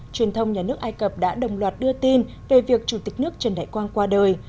truyền thông nhà nước ai cập đã đồng loạt đưa tin về việc chủ tịch nước trần đại quang qua đời